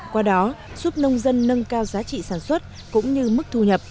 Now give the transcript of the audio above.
qua đó giúp nông dân nâng cao giá trị sản xuất cũng như mức thu nhập